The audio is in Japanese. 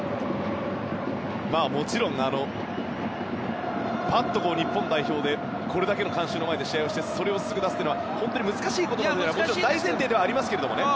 もちろん、日本代表でこれだけの観衆の前で試合をして、それをすぐ出すのは難しいというのが大前提ではありますけどね。